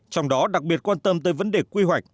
trong đó đặc biệt quan tâm tới vấn đề quy hoạch